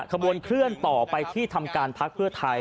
ขบวนเคลื่อนต่อไปที่ทำการพักเพื่อไทย